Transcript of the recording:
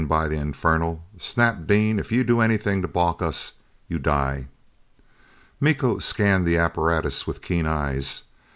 By the infernal, Snap Dean, if you do anything to balk us, you die!" Miko scanned the apparatus with keen eyes.